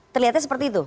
terlihatnya seperti itu